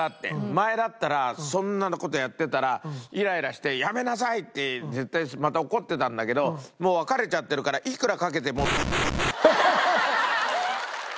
前だったらそんな事やってたらイライラして「やめなさい！」って絶対また怒ってたんだけどもう別れちゃってるからいくらかけても。